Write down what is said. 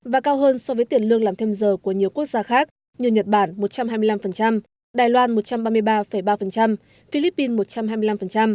và cao hơn so với tiền lương làm thêm giờ của nhiều quốc gia khác như nhật bản một trăm hai mươi năm đài loan một trăm ba mươi ba ba philippines một trăm hai mươi năm